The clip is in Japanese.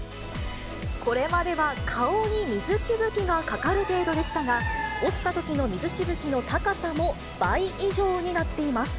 これまでは顔に水しぶきがかかる程度でしたが、落ちたときの水しぶきの高さも倍以上になっています。